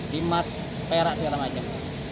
dimas perak segala macam